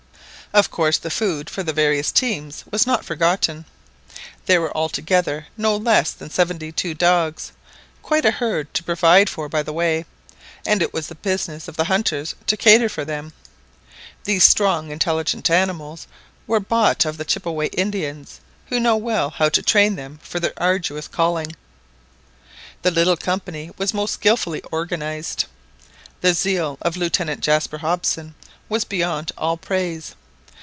Of course the food for the various teams was not forgotten. There were altogether no less than seventy two dogs, quite a herd to provide for by the way, and it was the business of the hunters to cater for them. These strong intelligent animals were bought of the Chippeway Indians, who know well how to train them for their arduous calling. The little company was most skilfully organised. The zeal of Lieutenant Jaspar Hobson was beyond all praise.